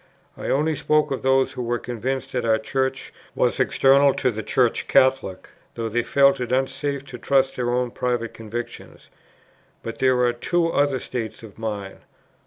I only spoke of those who were convinced that our Church was external to the Church Catholic, though they felt it unsafe to trust their own private convictions; but there are two other states of mind; 1.